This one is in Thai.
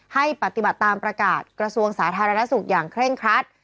ให้ปฏิบัติตามประกาศกระทรวงสาธารณสุขอย่างเคร่งครัด